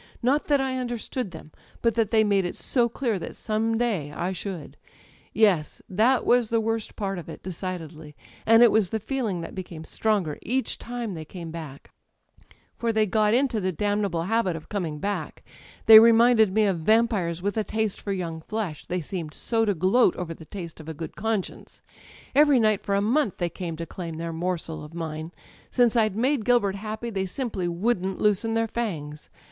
Not that I understood them; but that they made it so clear that some day I should ... Yes, that was the worst part of it, decidedly; and it was the feeling that became stronger each time they came back ... ''For they got into the damnable habit of coming [ 266 ] Digitized by LjOOQ IC THE EYES back. They reminded me of vampires with a taste for young fleshy they seemed so to gloat over the taste of a good conscience. Every night for a month they came to claim their morsel of mine: since I'^ made Gilbert happy they simply wouldn't loosen their fangs.